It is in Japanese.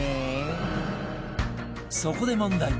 そこで問題